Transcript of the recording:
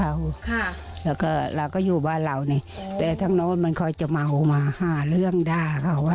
แล้วเราก็อยู่บ้านเราแต่ทั้งโน้นมันค่อยจะเมามาห้าเรื่องด้าเขา